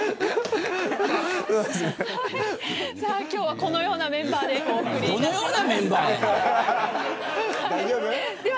今日は、このようなメンバーでお送りいたします。